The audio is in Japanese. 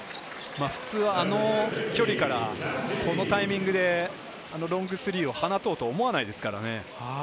普通は、あの距離からこのタイミングでロングスリーを放とうと思わないですからね。